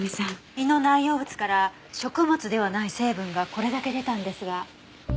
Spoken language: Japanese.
胃の内容物から食物ではない成分がこれだけ出たんですが。